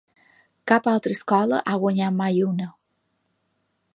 Cap altra escola ha guanyat mai una.